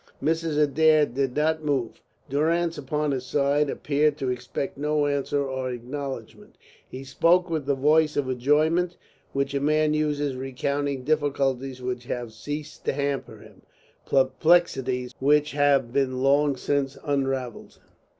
Mrs. Adair did not move. Durrance, upon his side, appeared to expect no answer or acknowledgment. He spoke with the voice of enjoyment which a man uses recounting difficulties which have ceased to hamper him, perplexities which have been long since unravelled.